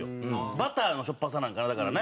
バターのしょっぱさなんかな。